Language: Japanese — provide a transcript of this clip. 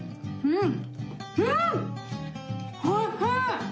うん！